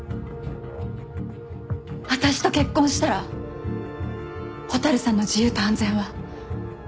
私と結婚したら蛍さんの自由と安全は約束する。